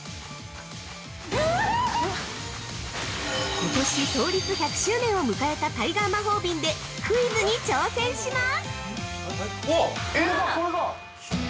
◆ことし創立１００周年を迎えたタイガー魔法瓶でクイズに挑戦します！